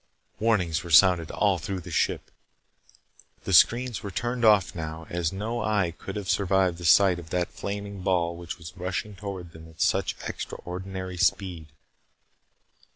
Warnings were sounded all through the ship. The screens were turned off now, as no eye could have survived the sight of that flaming ball which was rushing toward them at such extraordinary speed.